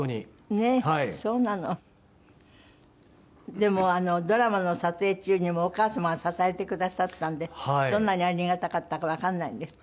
でもドラマの撮影中にもお母様が支えてくださったんでどんなにありがたかったかわからないんですって？